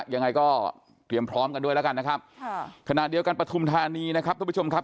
ยังไงก็เตรียมพร้อมกันด้วยแล้วกันนะครับขณะเดียวกันปฐุมธานีนะครับทุกผู้ชมครับ